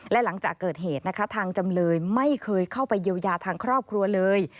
และหลังจากเกิดเหตุนะคะทางจำเลยไม่เคยเข้าไปเยียวยาทางครอบครัวเลย